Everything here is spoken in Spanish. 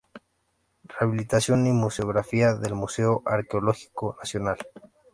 Rehabilitación y Museografía del Museo Arqueológico Nacional.